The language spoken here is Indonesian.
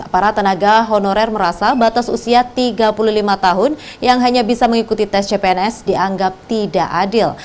para tenaga honorer merasa batas usia tiga puluh lima tahun yang hanya bisa mengikuti tes cpns dianggap tidak adil